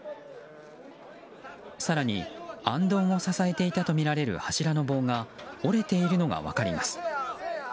更に、あんどんを支えていたとみられる柱の棒が折れているのが分かります。